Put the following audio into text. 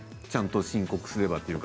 ちゃんと申告すれば。